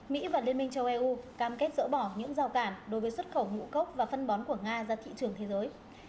mỹ và liên minh châu âu cam kết dỡ bỏ những rào cản đối với xuất khẩu ngũ cốc và phân bón của nga ra thị trường thế giới